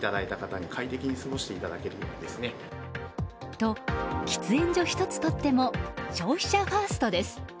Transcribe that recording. と、喫煙所１つ取っても消費者ファーストです。